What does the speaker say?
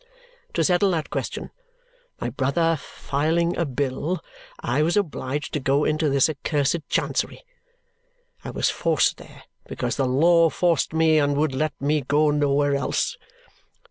To settle that question, my brother filing a bill, I was obliged to go into this accursed Chancery; I was forced there because the law forced me and would let me go nowhere else.